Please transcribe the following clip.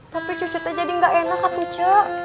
tapi cucu tadi nggak enak kak tuce